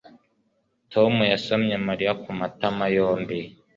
Tom yasomye Mariya ku matama yombi